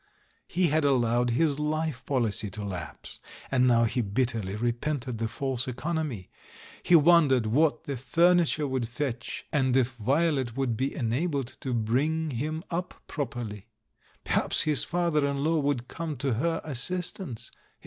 He had allowed his life policy to lapse, and now he bitterly repented the false economy. He won THE THIRD M 335 dered what the furniture would fetch, and if Vio let would be enabled to bring him up properly. Perhaps his father in law would come to her as sistance?